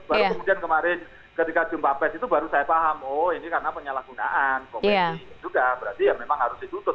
baru kemudian kemarin ketika jumpa pes itu baru saya paham oh ini karena penyalahgunaan kompetisi juga berarti ya memang harus ditutup